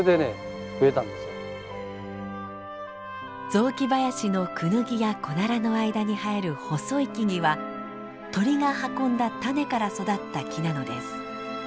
雑木林のクヌギやコナラの間に生える細い木々は鳥が運んだ種から育った木なのです。